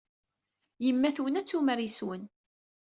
Yemma-twen ad tumar yes-wen.